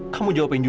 kamu jawabin jujur